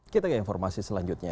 kita ke informasi selanjutnya